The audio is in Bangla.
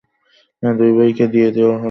হ্যাঁ, দুই ভাইকে দিয়ে দেওয়া হলো।